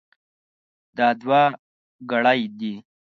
دا دوه ګړۍ دي.